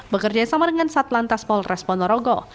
bekerja sama dengan satlan tas polres ponorogo